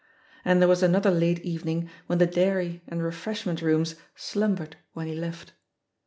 And there was another late evening when the dairy and re freshment rooms slumbered when he left.